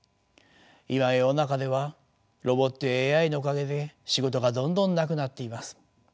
今世の中ではロボットやＡＩのおかげで仕事がどんどんなくなっています。